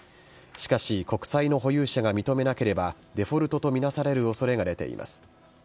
しかし、国債の保有者が認めなければ、デフォルトと見なされるおそれが出ています。